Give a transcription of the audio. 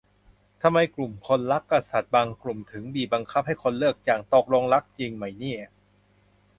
ทำไมกลุ่มคนรักกษัตริย์บางกลุ่มถึงบีบบังคับให้คนเลือกจัง ตกลงรักจริงไหมเนี่ย